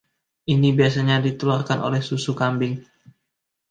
Ini biasanya ditularkan oleh susu kambing.